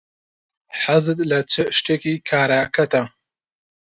حەزت لە چ شتێکی کارەکەتە؟